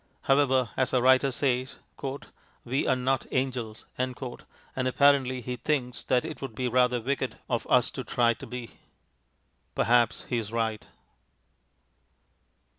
However, as our writer says, "we are not angels," and apparently he thinks that it would be rather wicked of us to try to be. Perhaps he is right.